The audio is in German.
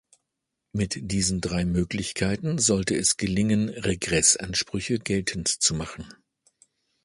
Mit diesen drei Möglichkeiten sollte es gelingen, Regressansprüche geltend zu machen.